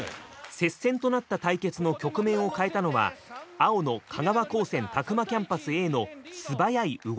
接戦となった対決の局面を変えたのは青の香川高専詫間キャンパスＡの素早い動きでした。